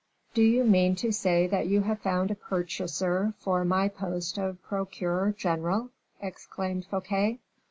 "Do you mean to say that you have found a purchaser for my post of procureur general?" exclaimed Fouquet.